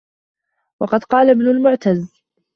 وَقَدْ قَالَ ابْنُ الْمُعْتَزِّ